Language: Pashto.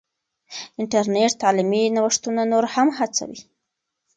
انټرنیټ تعلیمي نوښتونه نور هم هڅوي.